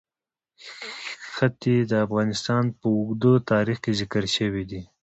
ښتې د افغانستان په اوږده تاریخ کې ذکر شوی دی.